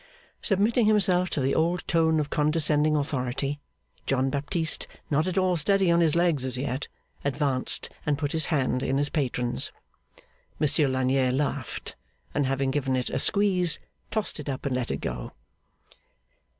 Submitting himself to the old tone of condescending authority, John Baptist, not at all steady on his legs as yet, advanced and put his hand in his patron's. Monsieur Lagnier laughed; and having given it a squeeze, tossed it up and let it go.